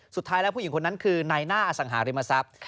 สุดท้ายแล้วผู้หญิงคนนั้นคือนายหน้าอสังหาริมทรัพย์